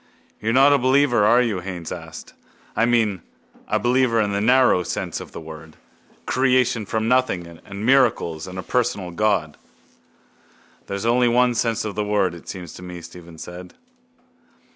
—You're not a believer, are you? Haines asked. I mean, a believer in the narrow sense of the word. Creation from nothing and miracles and a personal God. —There's only one sense of the word, it seems to me, Stephen said.